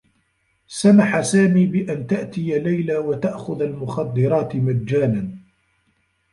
سمح سامي بأن تأتي ليلى وتأخذ المخدّرات مجانًا.